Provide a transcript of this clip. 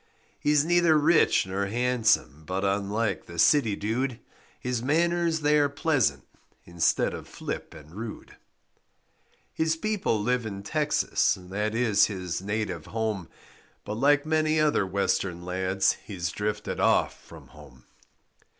He is neither rich nor handsome, But, unlike the city dude, His manners they are pleasant Instead of flip and rude. His people live in Texas, That is his native home, But like many other Western lads He drifted off from home.